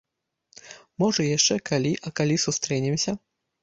Можа, яшчэ калі а калі сустрэнемся.